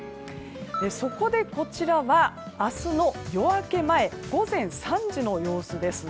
そこでこちらは明日の夜明け前午前３時の様子です。